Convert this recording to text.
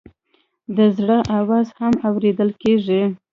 د زړه آواز هم اورېدل کېږي.